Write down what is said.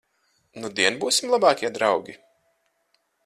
Nudien būsim labākie draugi?